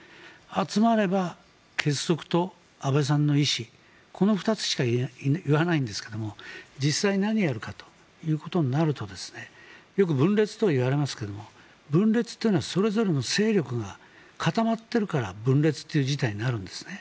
集まれば結束と安倍さんの遺志この２つしか言わないんですけども実際に何をやるかということになるとよく分裂とは言われますが分裂というのはそれぞれの勢力が固まっているから分裂という事態になるんですね。